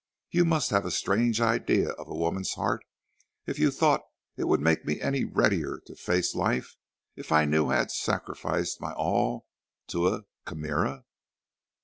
You must have a strange idea of a woman's heart, if you thought it would make me any readier to face life if I knew I had sacrificed my all to a chimera."